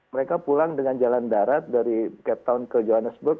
mereka pulang dengan jalan darat dari captown ke johannesburg